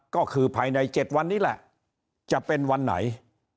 ก็คือภายใน๗วันนี้แหละจะเป็นวันไหน